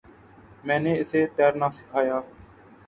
میں نے اسے تیرنا سکھایا۔